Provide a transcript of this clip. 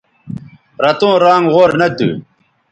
رتوں رانگ غور نہ تھو